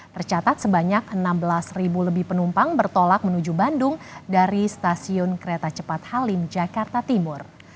tercatat sebanyak enam belas lebih penumpang bertolak menuju bandung dari stasiun kereta cepat halim jakarta timur